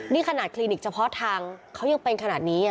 นี่ขนาดคลินิกเฉพาะทางเขายังเป็นขนาดนี้